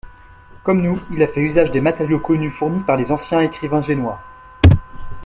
Comme nous, il a fait usage des matériaux connus fournis par les anciens écrivains génois.